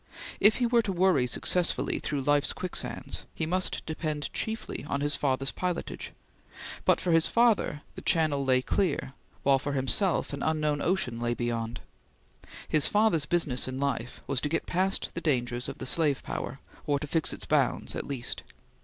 If he were to worry successfully through life's quicksands, he must depend chiefly on his father's pilotage; but, for his father, the channel lay clear, while for himself an unknown ocean lay beyond. His father's business in life was to get past the dangers of the slave power, or to fix its bounds at least.